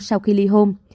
sau khi ly hôn